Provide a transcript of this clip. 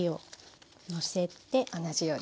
同じように。